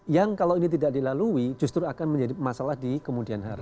yang kalau ini tidak dilalui justru akan menjadi masalah di kemudian hari